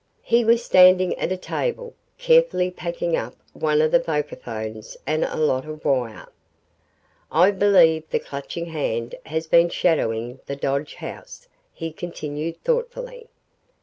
He was standing at a table, carefully packing up one of the vocaphones and a lot of wire. "I believe the Clutching Hand has been shadowing the Dodge house," he continued thoughtfully.